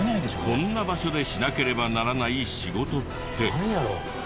こんな場所でしなければならない仕事って何？